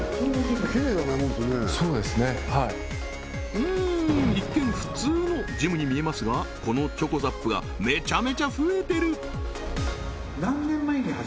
うん一見普通のジムに見えますがこのチョコザップがめちゃめちゃ増えてる！